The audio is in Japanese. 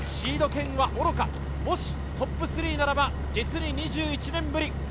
シード権はおろかもしトップ３ならば実に２１年ぶり。